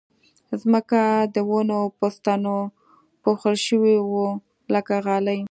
ځمکه د ونو په ستنو پوښل شوې وه لکه غالۍ